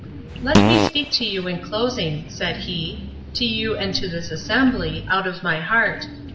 "Let me speak to you in closing," said he, "to you and to this assembly, out of my heart.